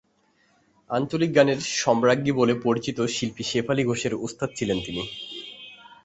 আঞ্চলিক গানের সম্রাজ্ঞী বলে পরিচিত শিল্পী শেফালী ঘোষের ওস্তাদ ছিলেন তিনি।